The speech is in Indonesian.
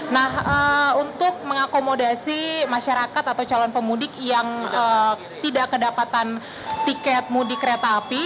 nah untuk mengakomodasi masyarakat atau calon pemudik yang tidak kedapatan tiket mudik kereta api